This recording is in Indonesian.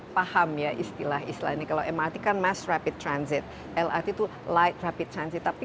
paham ya istilah istilah ini kalau mrt kan mass rapid transit lrt itu light rapid transit tapi